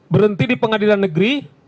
berhenti di pengadilan negeri